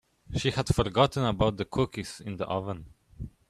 She had forgotten about the cookies in the oven.